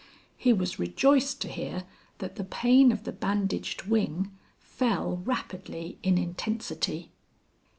He was rejoiced to hear that the pain of the bandaged wing fell rapidly in intensity.